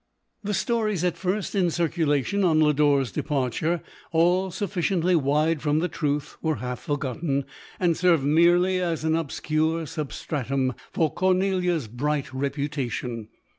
The stories at first in circulation on Loilor departure, all sufficiently wide from the truth, were half forgotten, and served merely as an obscure substratum for Cornelia's bright reputa tion.